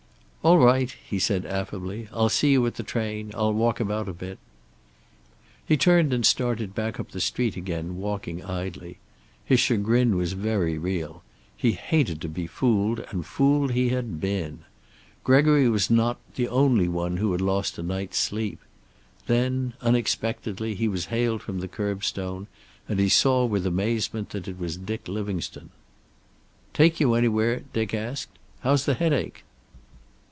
"All right," he said affably. "I'll see you at the train. I'll walk about a bit." He turned and started back up the street again, walking idly. His chagrin was very real. He hated to be fooled, and fooled he had been. Gregory was not the only one who had lost a night's sleep. Then, unexpectedly, he was hailed from the curbstone, and he saw with amazement that it was Dick Livingstone. "Take you anywhere?" Dick asked. "How's the headache?"